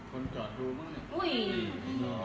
คนจอดดูมึงอ่ะ